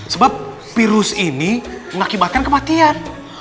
sebab virus ini mengakibatkan kematian